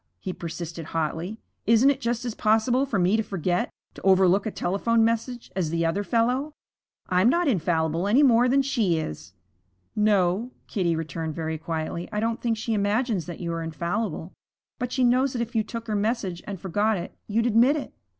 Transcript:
he persisted hotly. 'Isn't it just as possible for me to forget, to overlook a telephone message, as the other fellow? I'm not infallible any more than she is.' 'No,' Kitty returned very quietly. 'I don't think she imagines that you are infallible. But she knows that if you took her message and forgot it, you'd admit it.'